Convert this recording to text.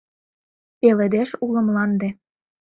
Пеледеш уло мланде